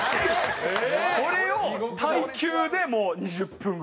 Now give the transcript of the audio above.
これを耐久でもう２０分ぐらい。